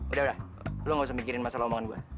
udah udah lu gak usah mikirin masalah omongan gue